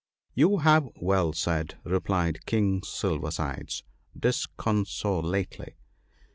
' You have well said,' replied King Silver sides, dis consolately.